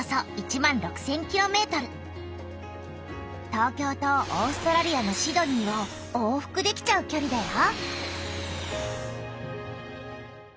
東京とオーストラリアのシドニーを往復できちゃうきょりだよ。